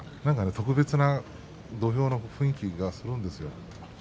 特別な土俵の雰囲気がするんですよ。